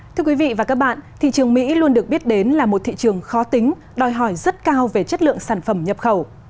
thưa quý vị và các bạn thị trường mỹ luôn được biết đến là một thị trường khó tính đòi hỏi rất cao về chất lượng sản phẩm nhập khẩu